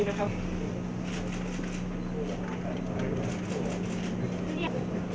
อ๋อไม่มีพิสิทธิ์